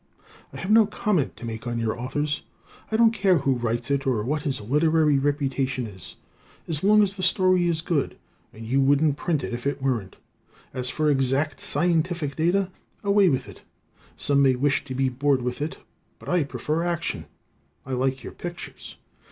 I have no comment to make on your Authors. I don't care who writes it or what his literary reputation is as long as the story is good; and you wouldn't print it if it weren't. As for exact scientific data away with it. Some may wish to be bored with it, but I prefer action. I like your pictures.